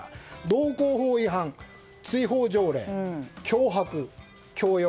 道交法違反、追放条例脅迫、強要。